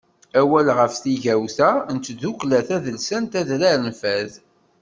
Awal ɣef tigawt-a n tdukkla tadelsant Adrar n Fad.